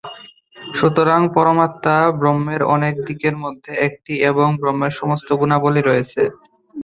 সুতরাং, পরমাত্মা ব্রহ্মের অনেক দিকের মধ্যে একটি, এবং ব্রহ্মের সমস্ত গুণাবলী রয়েছে।